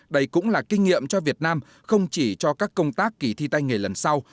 đây cũng là kinh nghiệm cho việt nam không chỉ cho các công tác kỳ thi tay nghề lần sau